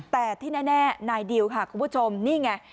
แต่ที่แน่นายดิวค่ะคุณผู้ชมนี่ไง